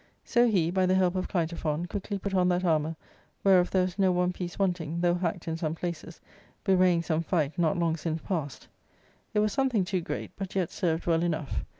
So he, by the help of Clitophon, quickly put on that armour, whereof there was no one piece wanting, though hacked in some places, bewraying some fight not long since passed. It was something too great, but yet served well enough.